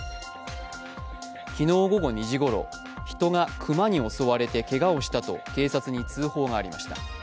昨日午後２時ごろ、人が熊に襲われてけがをしたと警察に通報がありました。